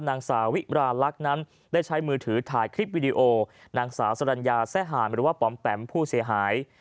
นางสาวิราลักษณ์นั้นได้ใช้มือถือถ่ายคลิปวิดีโอนางสาวสรรญาแซ่หารหรือว่าปอมแปมผู้เสียหาย